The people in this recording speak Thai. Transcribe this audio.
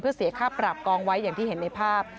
เพื่อเสียค่าปรับกองไว้อย่างที่เห็นในภาพ